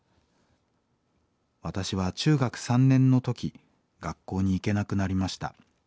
私は中学３年の時学校に行けなくなりました。